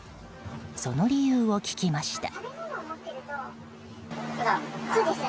その理由を聞きました。